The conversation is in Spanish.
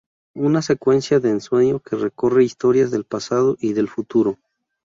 Una secuencia de ensueño que recorre historias del pasado y del futuro".